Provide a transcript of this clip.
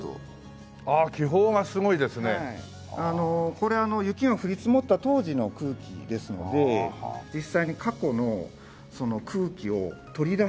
これ雪が降り積もった当時の空気ですので実際に過去のその空気を取り出して。